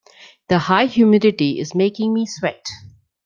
The high humidity is making me sweat.